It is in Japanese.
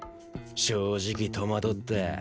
正直戸惑った。